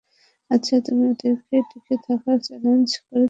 আচ্ছা, তুমি ওদেরকে টিকে থাকার চ্যালেঞ্জ করেছিলে।